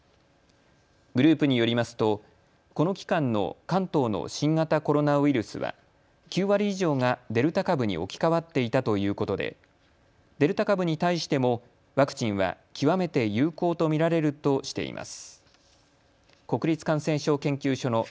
グループによりますとこの期間の関東の新型コロナウイルスは９割以上がデルタ株に置き換わっていたということでデルタ株に対してもワクチンは極めて有効と見られるとしています。